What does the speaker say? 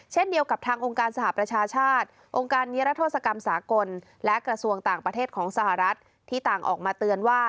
เช่นเดียวกับทางองค์การสหประชาชาติองค์การนิรัทธศกรรมสากลและกระทรวงต่างประเทศของสหรัฐที่ต่างออกมาเตือนว่า